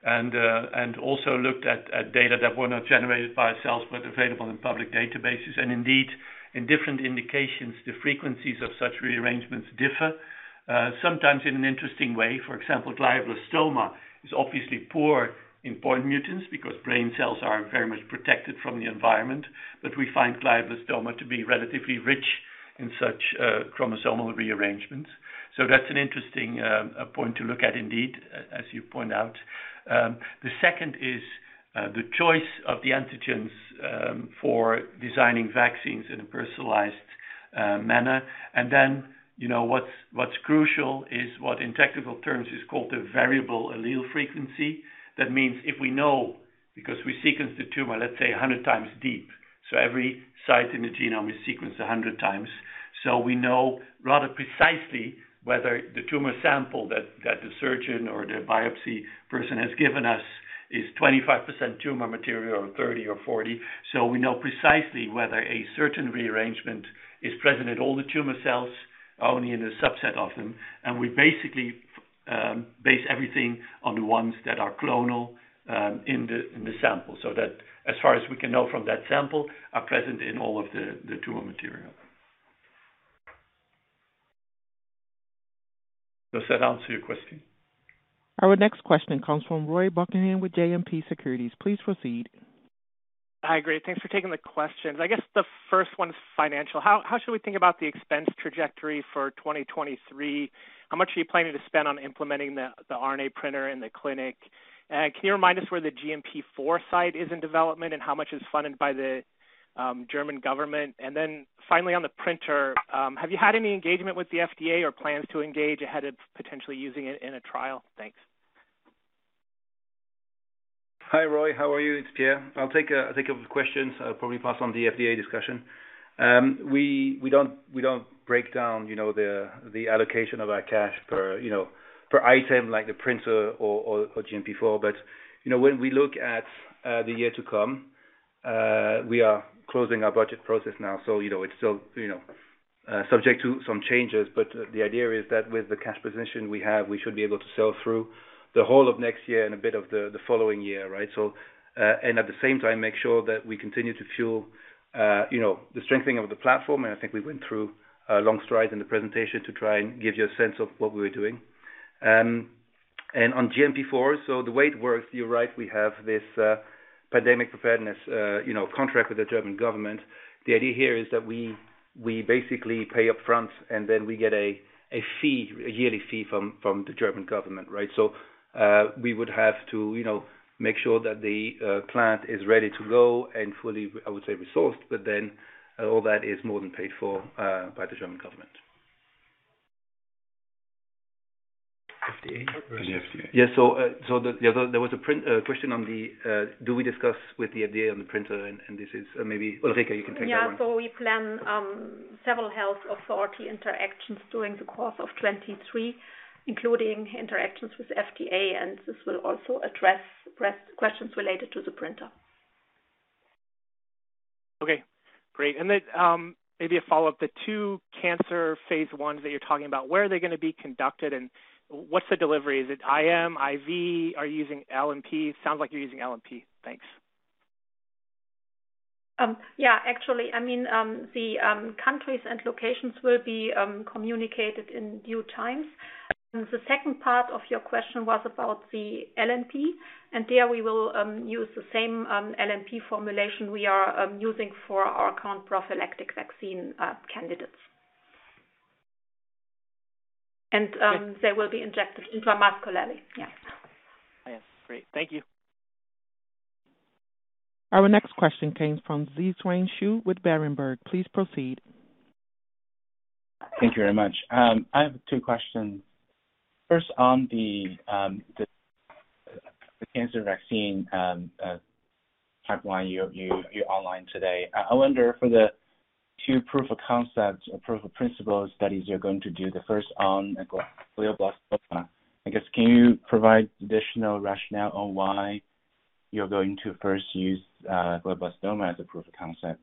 and also looked at data that were not generated by ourselves, but available in public databases. Indeed, in different indications, the frequencies of such rearrangements differ. Sometimes in an interesting way. For example, glioblastoma is obviously poor in point mutants because brain cells are very much protected from the environment. We find glioblastoma to be relatively rich in such chromosomal rearrangements. That's an interesting point to look at indeed, as you point out. The second is the choice of the antigens for designing vaccines in a personalized manner. Then, you know, what's crucial is what in technical terms is called a variant allele frequency. That means if we know, because we sequence the tumor, let's say 100 times deep, so every site in the genome is sequenced 100 times. We know rather precisely whether the tumor sample that the surgeon or the biopsy person has given us is 25% tumor material or 30% or 40%. We know precisely whether a certain rearrangement is present in all the tumor cells, only in a subset of them. We basically base everything on the ones that are clonal in the sample, so that as far as we can know from that sample, are present in all of the tumor material. Does that answer your question? Our next question comes from Roy Buchanan with JMP Securities. Please proceed. Hi. Great, thanks for taking the questions. I guess the first one is financial. How should we think about the expense trajectory for 2023? How much are you planning to spend on implementing the RNA Printer in the clinic? Can you remind us where the GMP IV site is in development and how much is funded by the German government? Finally on the printer, have you had any engagement with the FDA or plans to engage ahead of potentially using it in a trial? Thanks. Hi, Roy. How are you? It's Pierre. I'll take a couple questions. I'll probably pass on the FDA discussion. We don't break down, you know, the allocation of our cash per, you know, per item like the printer or GMP IV. But, you know, when we look at the year to come, we are closing our budget process now. It's still, you know, subject to some changes. But the idea is that with the cash position we have, we should be able to sell through the whole of next year and a bit of the following year, right? At the same time make sure that we continue to fuel, you know, the strengthening of the platform. I think we went through a long slide in the presentation to try and give you a sense of what we were doing. On GMP IV, the way it works, you're right, we have this pandemic preparedness, you know, contract with the German government. The idea here is that we basically pay up front, and then we get a yearly fee from the German government, right? We would have to, you know, make sure that the plant is ready to go and fully, I would say, resourced. All that is more than paid for by the German government. FDA. The FDA. Yeah. There was a printer question on do we discuss with the FDA on the printer and this is maybe Ulrike Gnad-Vogt, you can take that one. We plan several health authority interactions during the course of 2023, including interactions with FDA, and this will also address press questions related to the printer. Okay, great. Maybe a follow-up. The two cancer phase Is that you're talking about, where are they gonna be conducted, and what's the delivery? Is it IM, IV? Are you using LNP? Sounds like you're using LNP. Thanks. Actually, I mean, the countries and locations will be communicated in due time. The second part of your question was about the LNP, and there we will use the same LNP formulation we are using for our current prophylactic vaccine candidates. They will be injected intramuscularly. Yes. Great. Thank you. Our next question comes from Zhiqiang Shu with Berenberg. Please proceed. Thank you very much. I have two questions. First on the cancer vaccine pipeline you outlined today. I wonder for the two proof of concept or proof of principle studies you're going to do the first on glioblastoma. I guess, can you provide additional rationale on why you're going to first use glioblastoma as a proof of concept?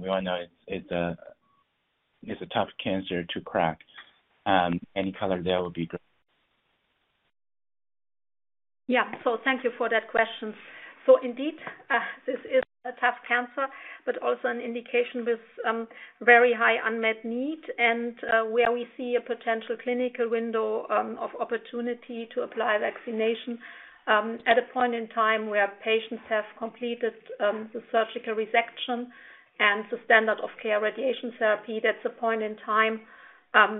We all know it's a tough cancer to crack. Any color there would be great. Thank you for that question. Indeed, this is a tough cancer, but also an indication with very high unmet need and where we see a potential clinical window of opportunity to apply vaccination at a point in time where patients have completed the surgical resection and the standard of care radiation therapy. That's a point in time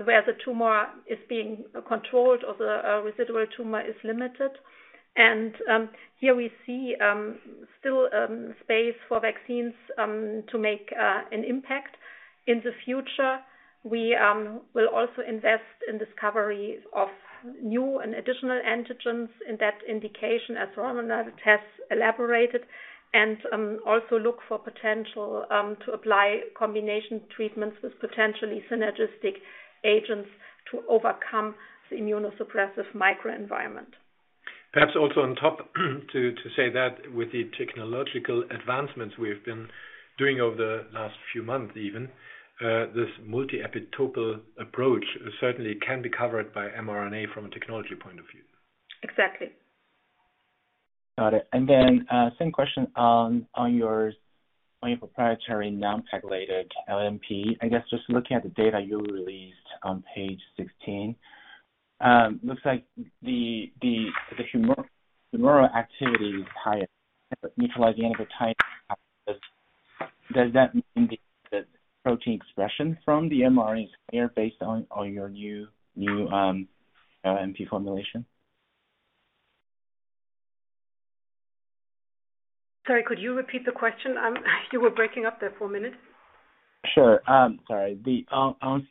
where the tumor is being controlled or the residual tumor is limited. Here we see still space for vaccines to make an impact. In the future, we will also invest in discoveries of new and additional antigens in that indication, as Ronald has elaborated, and also look for potential to apply combination treatments with potentially synergistic agents to overcome the immunosuppressive microenvironment. Perhaps also on top to say that with the technological advancements we've been doing over the last few months even, this multi-epitope approach certainly can be covered by mRNA from a technology point of view. Exactly. Got it. Same question on your proprietary non-pegylated LNP. I guess just looking at the data you released on page 16, looks like the humoral activity is higher, neutralizing antibody titer is... Does that indicate that protein expression from the mRNA is higher based on your new LNP formulation? Sorry, could you repeat the question? You were breaking up there for a minute. Sure. On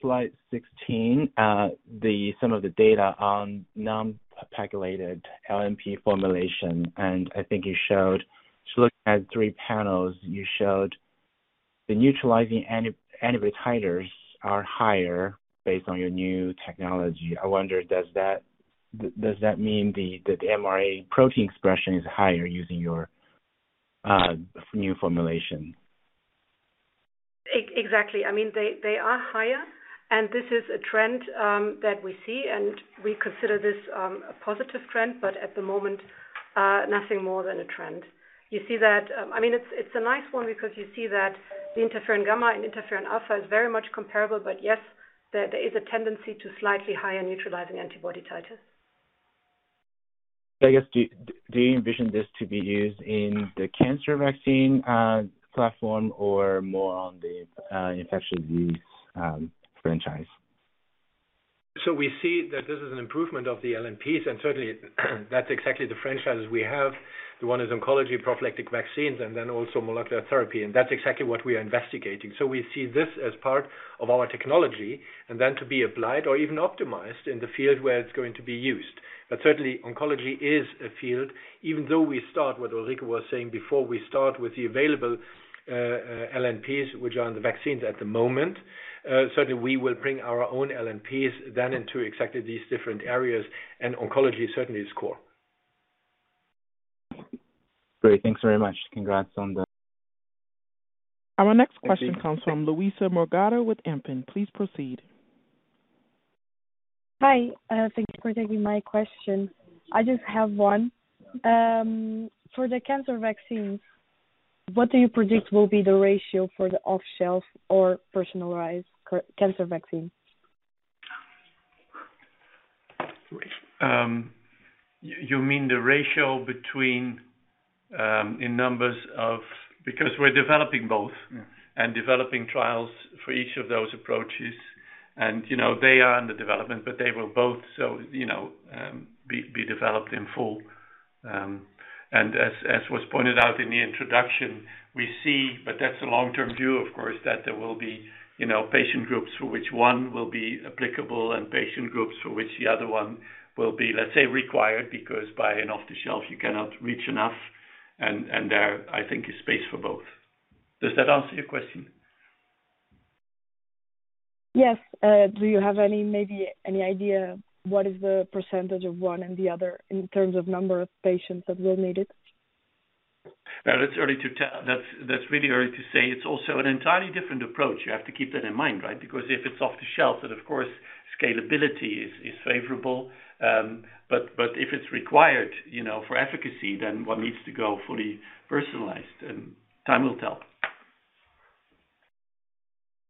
slide 16, some of the data on non-pegylated LNP formulation, and I think you showed, just looking at three panels, you showed the neutralizing antibody titers are higher based on your new technology. I wonder, does that mean that the mRNA protein expression is higher using your new formulation? Exactly. I mean, they are higher, and this is a trend that we see, and we consider this a positive trend, but at the moment, nothing more than a trend. You see that, I mean, it's a nice one because you see that the interferon gamma and interferon alpha is very much comparable, but yes, there is a tendency to slightly higher neutralizing antibody titers. I guess, do you envision this to be used in the cancer vaccine platform or more on the infectious disease franchise? We see that this is an improvement of the LNPs, and certainly that's exactly the franchises we have. One is oncology prophylactic vaccines, and then also molecular therapy, and that's exactly what we are investigating. We see this as part of our technology and then to be applied or even optimized in the field where it's going to be used. Certainly, oncology is a field, even though what Ulrike was saying before, we start with the available LNPs, which are in the vaccines at the moment. Certainly we will bring our own LNPs then into exactly these different areas, and oncology certainly is core. Great. Thanks very much. Congrats on the. Our next question comes from Luisa Morgado with Kempen. Please proceed. Hi. Thank you for taking my question. I just have one. For the cancer vaccine, what do you predict will be the ratio for the off-shelf or personalized cancer vaccine? You mean the ratio between, in numbers of. Because we're developing both. Yeah. Developing trials for each of those approaches. You know, they are under development, but they will both so, you know, be developed in full. As was pointed out in the introduction, we see, but that's a long-term view, of course, that there will be, you know, patient groups for which one will be applicable and patient groups for which the other one will be, let's say, required, because by an off-the-shelf you cannot reach enough. There, I think, is space for both. Does that answer your question? Yes. Do you have any, maybe any idea what is the percentage of one and the other in terms of number of patients that will need it? That is early to tell. That's really early to say. It's also an entirely different approach. You have to keep that in mind, right? Because if it's off the shelf, then of course scalability is favorable, but if it's required, you know, for efficacy, then one needs to go fully personalized, and time will tell.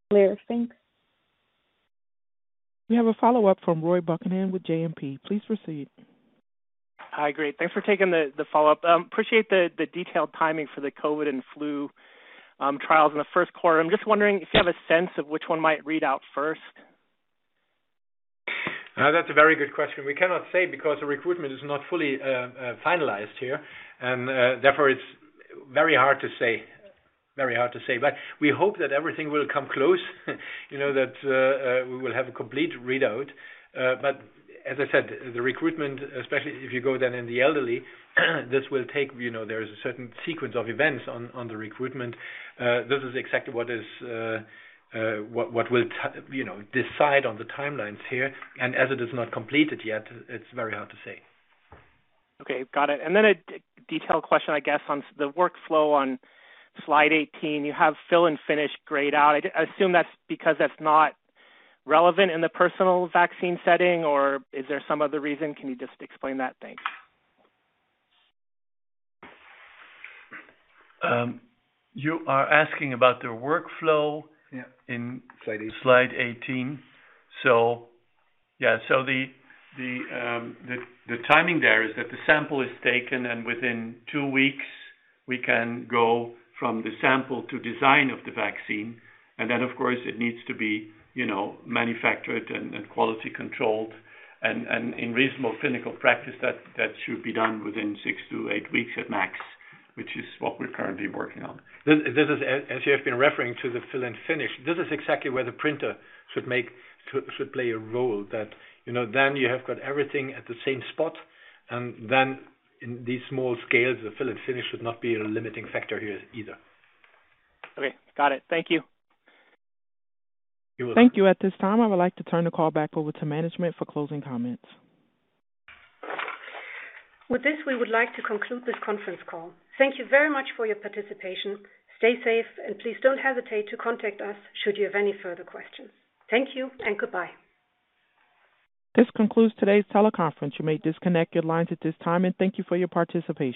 Clear. Thanks. We have a follow-up from Roy Buchanan with JMP. Please proceed. Hi. Great. Thanks for taking the follow-up. Appreciate the detailed timing for the COVID and flu trials in the first quarter. I'm just wondering if you have a sense of which one might read out first. That's a very good question. We cannot say because the recruitment is not fully finalized here, and therefore, it's very hard to say. We hope that everything will come close, you know, that we will have a complete readout. As I said, the recruitment, especially if you go then in the elderly, this will take, you know, there is a certain sequence of events on the recruitment. This is exactly what will, you know, decide on the timelines here. As it is not completed yet, it's very hard to say. Okay. Got it. A detail question, I guess, on the workflow on slide 18. You have fill and finish grayed out. I assume that's because that's not relevant in the personalized vaccine setting, or is there some other reason? Can you just explain that? Thanks. You are asking about the workflow. Yeah. -in- Slide 18. Slide 18. Yeah, the timing there is that the sample is taken, and within two weeks we can go from the sample to design of the vaccine. Then of course it needs to be, you know, manufactured and quality controlled. In reasonable clinical practice, that should be done within 6-8 weeks at max, which is what we're currently working on. This is, as you have been referring to the fill and finish, exactly where the printer should play a role that, you know, then you have got everything at the same spot, and then in these small scales, the fill and finish should not be a limiting factor here either. Okay. Got it. Thank you. You're welcome. Thank you. At this time, I would like to turn the call back over to management for closing comments. With this, we would like to conclude this conference call. Thank you very much for your participation. Stay safe, and please don't hesitate to contact us should you have any further questions. Thank you and goodbye. This concludes today's teleconference. You may disconnect your lines at this time, and thank you for your participation.